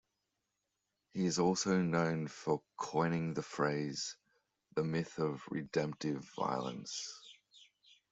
He is also known for coining the phrase "the myth of redemptive violence".